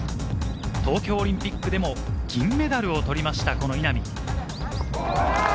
東京オリンピックでも銀メダルを取りました、稲見。